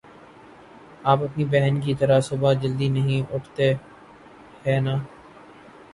آپ اپنی بہن کی طرح صبح جلدی نہیں اٹھتے، ہے نا؟